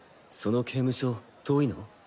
その刑務所遠いの？